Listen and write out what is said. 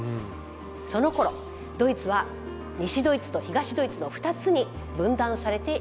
そのころドイツは西ドイツと東ドイツの２つに分断されていました。